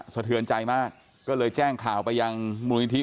สะเทือนใจมากก็เลยแจ้งข่าวไปยังมูลนิธิ